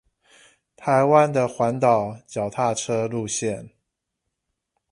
台灣的環島腳踏車路線